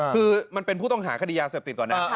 คือมันเป็นผู้ต้องหาคดียาเสพติดก่อนนะ